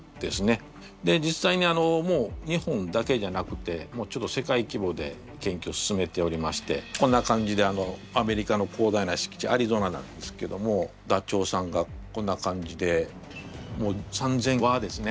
で実際にもう日本だけじゃなくて世界きぼで研究を進めておりましてこんな感じでアメリカの広大な敷地アリゾナなんですけどもダチョウさんがこんな感じでもう３，０００わですね。